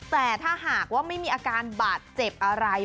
แต่ถ้าหากว่าไม่มีอาการบาดเจ็บอะไร